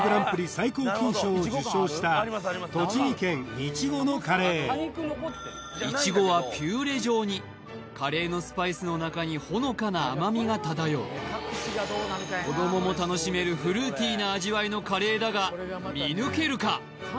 最高金賞を受賞したいちごはピューレ状にカレーのスパイスの中にほのかな甘みが漂う子供も楽しめるフルーティーな味わいのカレーだが見抜けるか？